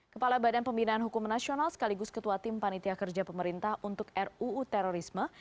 kepala badan pembinaan hukum nasional sekaligus ketua tim panitia kerja pemerintah untuk ruu terorisme